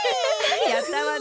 やったわね！